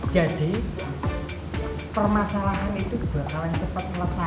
jadi permasalahan itu bakalan cepet selesai